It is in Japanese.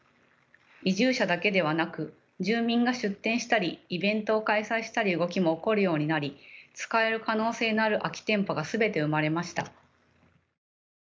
移住者だけではなく住民が出店したりイベントを開催したり動きも起こるようになり使える可能性のある空き店舗が全て埋まりました。